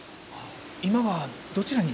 今はどちらに？